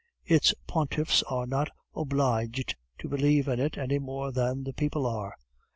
"Its pontiffs are not obliged to believe in it any more than the people are."